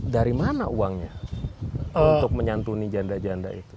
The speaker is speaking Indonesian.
dari mana uangnya untuk menyantuni janda janda itu